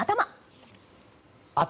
頭！